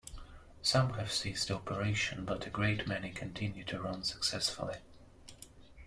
Some have ceased operation, but a great many continue to run successfully.